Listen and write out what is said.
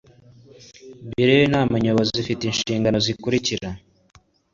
biro y inama nyobozi ifite inshingano zikurikira